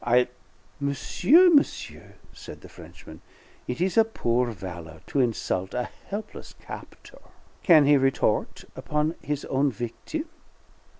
"I'll " "Monsieur, monsieur!" said the Frenchman. "It is a poor valor to insult a helpless captor. Can he retort upon his own victim?